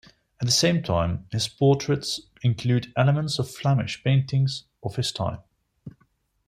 At the same time, his portraits include elements from Flemish painting of his time.